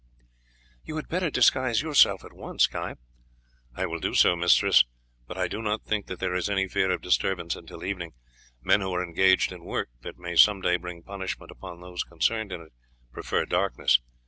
"You had better disguise yourself at once, Guy." "I will do so, mistress, but I do not think that there is any fear of disturbance until evening; men who are engaged in work, that may some day bring punishment upon those concerned in it, prefer darkness.